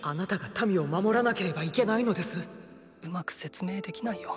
うまく説明できないよ。